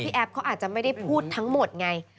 แอฟเขาอาจจะไม่ได้พูดทั้งหมดไง